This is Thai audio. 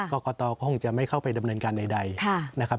กรกตก็คงจะไม่เข้าไปดำเนินการใดนะครับ